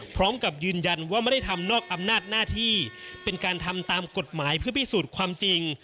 พร้อมกับยืนยันว่าไม่ได้ทำนอกอำนาจหน้าที่เป็นการทำตามกฎหมายเพื่อพิสูจน์ความจริง